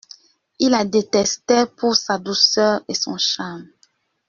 Il la détestait pour sa douceur et son charme.